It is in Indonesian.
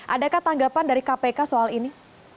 adakah tanggapan dari kpk soal ini